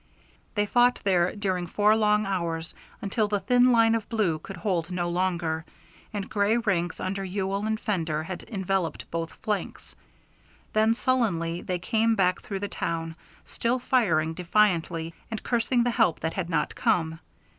They fought there during four long hours, until the thin line of blue could hold no longer, and gray ranks under Ewell and Fender had enveloped both flanks. Then sullenly they came back through the town, still firing defiantly, and cursing the help that had not come.